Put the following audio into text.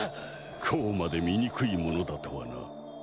こうまで醜いものだとはな。